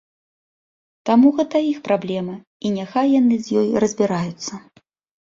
Таму гэта іх праблема, і няхай яны з ёй разбіраюцца.